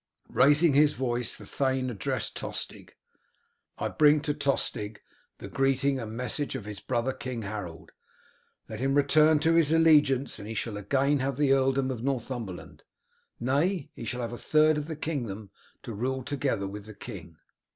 Raising his voice the thane addressed Tostig, "I bring to Tostig the greeting and message of his brother King Harold. Let him return to his allegiance and he shall again have the earldom of Northumberland; nay, he shall have a third of the kingdom to rule together with the king."